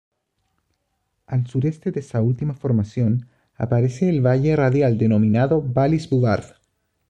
Al sureste de esta última formación, aparece el valle radial denominado Vallis Bouvard.